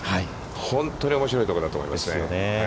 本当におもしろいところだと思いますよね。